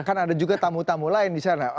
kan ada juga tamu tamu lain di sana